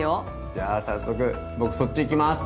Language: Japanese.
じゃあ早速僕そっち行きます！